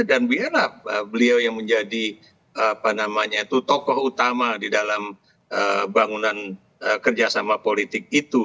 dan biarlah beliau yang menjadi apa namanya itu tokoh utama di dalam bangunan kerjasama politik itu